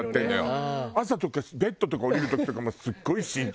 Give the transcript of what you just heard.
朝とかベッドとか下りる時とかもすごい慎重にやるもん。